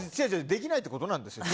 できないってことなんですよ。